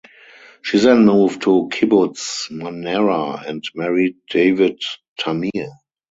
She then moved to Kibbutz Manara and married David Tamir.